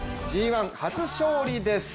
ＧⅠ初勝利です。